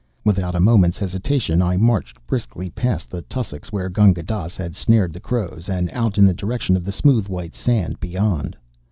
Without a moment's hesitation I marched briskly past the tussocks where Gunga Dass had snared the crows, and out in the direction of the smooth white sand beyond.